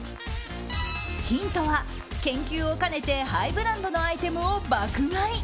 ヒントは、研究を兼ねてハイブランドのアイテムを爆買い。